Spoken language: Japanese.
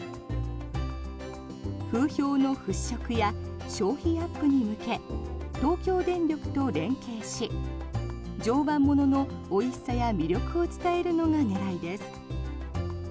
風評の払しょくや消費アップに向け東京電力と連携し常磐もののおいしさや魅力を伝えるのが狙いです。